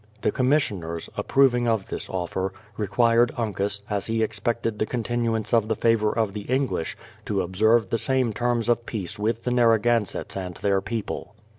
The commissioners, approving of this offer, re quired Uncas, as he expected the continuance of the favour of the English, to observe the same terms of peace with the Narragansetts and their people.